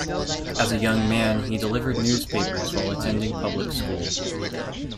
As a young man, he delivered newspapers while attending public school.